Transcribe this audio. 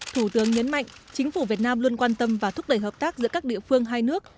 thủ tướng nhấn mạnh chính phủ việt nam luôn quan tâm và thúc đẩy hợp tác giữa các địa phương hai nước